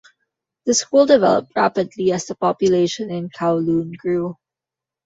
The school developed rapidly as the population in Kowloon grew.